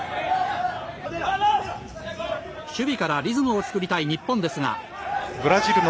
守備からリズムをつくりたい日本ですが。